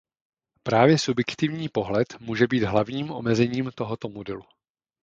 Právě subjektivní pohled může být hlavním omezením tohoto modelu.